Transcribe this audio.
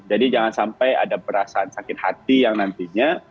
jadi jangan sampai ada perasaan sakit hati yang nanti